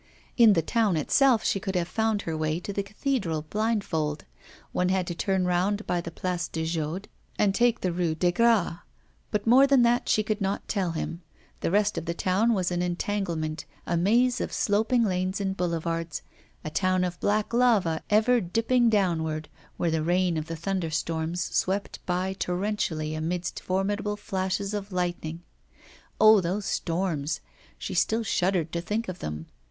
In the town itself she could have found her way to the cathedral blindfold; one had to turn round by the Place de Jaude and take the Rue des Gras; but more than that she could not tell him; the rest of the town was an entanglement, a maze of sloping lanes and boulevards; a town of black lava ever dipping downward, where the rain of the thunderstorms swept by torrentially amidst formidable flashes of lightning. Oh! those storms; she still shuddered to think of them.